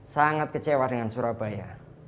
sangat kecewa dengan surabaya